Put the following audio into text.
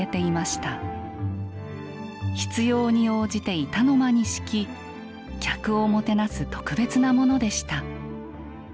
必要に応じて板の間に敷き客をもてなす特別なものでした。